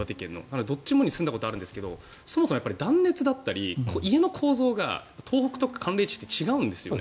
どっちもに住んだことがあるんですがそもそも断熱だったり家の構造が東北とか寒冷地って違うんですよね。